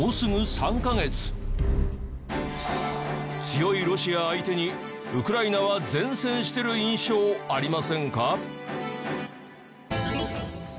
強いロシア相手にウクライナは善戦してる印象ありませんか？